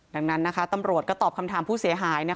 ดังนั้นตำรวจก็ตอบคำถามผู้เสียหาย